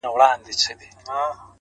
• كه زړه يې يوسې و خپل كور ته گراني ـ